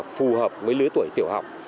phù hợp với lứa tuổi tiểu học